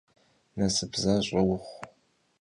Nasıp zaş'e vuxhu!